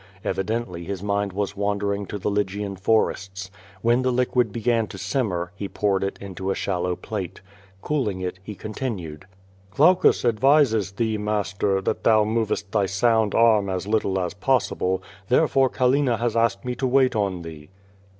Evidently his mind was wandering in the Lygian forests. When the liquid began to simmer, he poured it into a shallow plate. Cooling it, he continued: "Glaucus advises thee, master, that thou movest thy sound arm as little as possible, therefore Callina has asked me to wait on thee.''